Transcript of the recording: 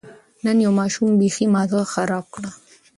نن یو ماشوم بېخي ماغزه خراب کړ.